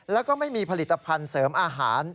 แล้วก็ไม่มีผลิตภัณฑ์เสริมอาหาร